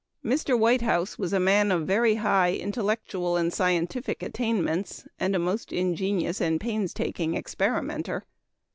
Mr. Whitehouse was a man of very high intellectual and scientific attainments, and a most ingenious and painstaking experimenter.